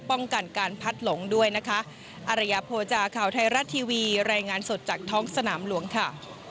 ป้องกันการพัดหลงด้วยนะคะ